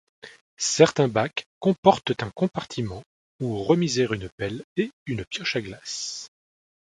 Certains bacs comportent un compartiment où remiser une pelle et une pioche à glace.